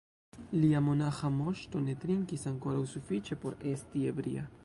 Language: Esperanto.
Lia monaĥa Moŝto ne trinkis ankoraŭ sufiĉe por esti ebria.